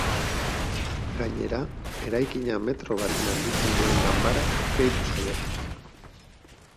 Gainera, eraikina metro baten handitzen duen ganbara gehitu zaio.